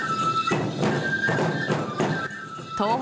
東北